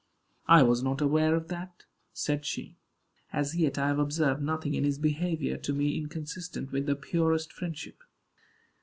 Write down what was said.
"I was not aware of that," said she. "As yet I have observed nothing in his behavior to me inconsistent with the purest friendship."